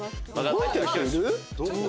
動いてる人いる？